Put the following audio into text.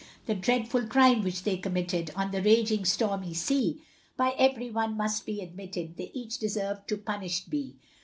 The dreadful crime which they committed, On the raging, stormy sea, By every one must be admitted, They each deserved to punished be.